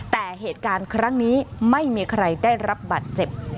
แต่เหตุการณ์ครั้งนี้ไม่มีใครได้รับบาดเจ็บ